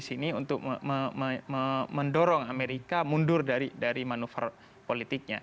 meskipun tidak berarti negara negara islam atau negara negara islam tidak bisa mendorong amerika mundur dari manuver politiknya